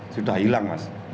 sudah hilang mas